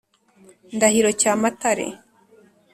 ndahiro cyamatare